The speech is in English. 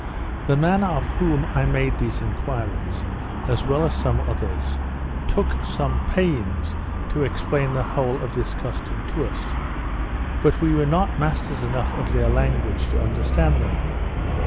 The man of whom I made these enquiries, as well as some others, took some pains to explain the whole of this custom to us; but we were not masters enough of their language to understand them.